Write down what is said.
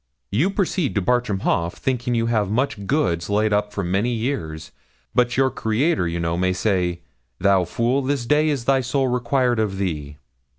You proceed to Bartram Haugh, thinking you have much goods laid up for many years; but your Creator, you know, may say, "Thou fool, this day is thy soul required of thee."